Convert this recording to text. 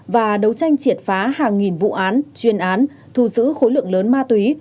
và đấu tranh triệt phá hàng nghìn vụ án chuyên án thu giữ khối lượng lớn ma túy